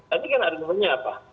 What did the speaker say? tapi kan argumennya apa